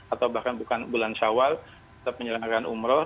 atau bahkan bukan bulan syawal penyelenggaraan umroh